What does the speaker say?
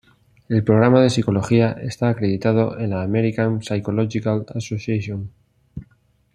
El programa de psicología está acreditado en la American Psychological Association.